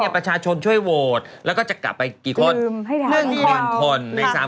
พระชาชนช่วยโหวตแล้วก็จะกลับไปกี่คนลืมให้แต่อย่างนี้นั่นคือ๑คน